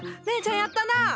姉ちゃんやったな！